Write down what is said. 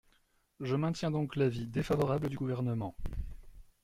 Je maintiens donc l’avis défavorable du Gouvernement.